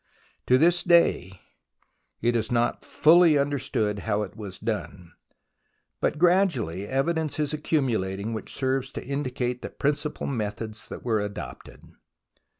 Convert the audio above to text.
To this day it is not fully understood how it was done, but gradually evidence is accumulating which serves to indicate the principal methods that were adopted.